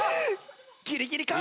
ギリギリか？